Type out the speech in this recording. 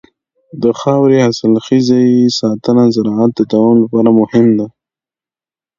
د خاورې د حاصلخېزۍ ساتنه د زراعت د دوام لپاره مهمه ده.